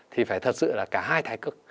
thì phải thật sự là cả hai thái cực